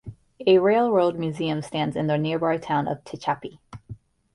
A railroad museum stands in the nearby town of Tehachapi.